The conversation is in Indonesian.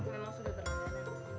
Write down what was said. memang sudah terangkanan